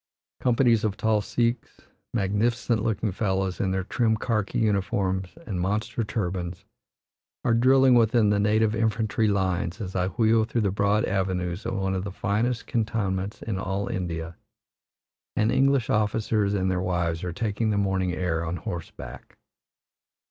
Companies of tall Sikhs, magnificent looking fellows, in their trim karki uniforms and monster turbans, are drilling within the native infantry lines as I wheel through the broad avenues of one of the finest cantonments in all India, and English officers and their wives are taking the morning air on horseback.